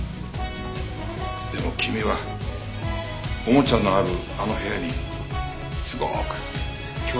でも君はおもちゃのあるあの部屋にすごく興味があったんだよな？